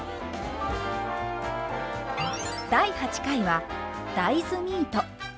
第８回は大豆ミート。